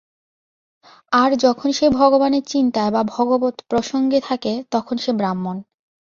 আর যখন সে ভগবানের চিন্তায় বা ভগবৎ-প্রসঙ্গে থাকে, তখন সে ব্রাহ্মণ।